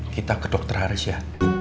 kita ke dokter haris ya